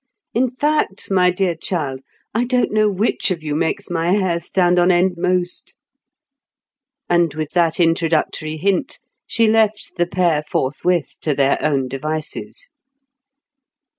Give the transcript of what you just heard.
In fact, my dear child, I don't know which of you makes my hair stand on end most." And with that introductory hint, she left the pair forthwith to their own devices.